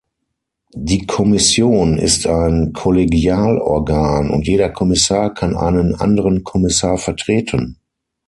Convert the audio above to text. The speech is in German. Die Kommission ist ein Kollegialorgan, und jeder Kommissar kann einen anderen Kommissar vertreten.